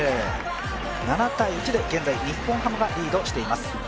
７−１で現在、日本ハムがリードしています。